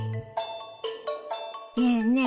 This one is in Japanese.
ねえねえ